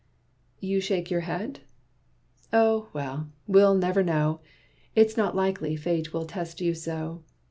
You shake your head? Oh, well, we'll never know! It is not likely Fate will test you so.